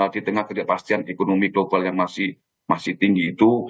di tengah ketidakpastian ekonomi global yang masih tinggi itu